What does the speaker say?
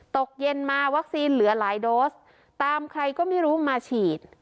ตกเย็นมาวัคซีนเหลือหลายโดสตามใครก็ไม่รู้มาฉีด